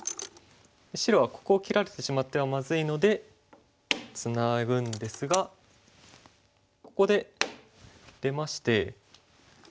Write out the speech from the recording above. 白はここを切られてしまってはまずいのでツナぐんですがここで出まして。